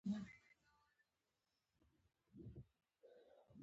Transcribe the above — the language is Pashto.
کله چې هندارې ته ګورم، ته مې مخ ته نېغه ودرېږې